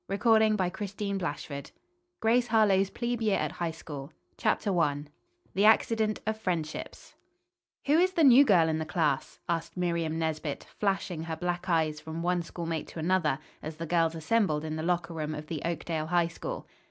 Tom Gray Escapes from the Wolves Grace Harlowe's Plebe Year at High School CHAPTER I THE ACCIDENT OF FRIENDSHIPS "Who is the new girl in the class?" asked Miriam Nesbit, flashing her black eyes from one schoolmate to another, as the girls assembled in the locker room of the Oakdale High School.